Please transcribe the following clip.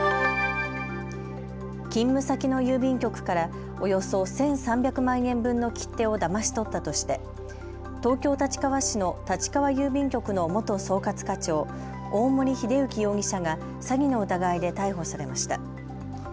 勤務先の郵便局からおよそ１３００万円分の切手をだまし取ったとして東京立川市の立川郵便局の元総括課長、大森秀之容疑者が詐欺の疑いで逮捕されました。